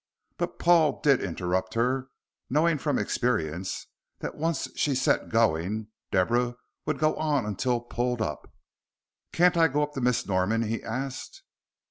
But Paul did interrupt her, knowing from experience that when once set going Deborah would go on until pulled up. "Can't I go up to Miss Norman?" he asked.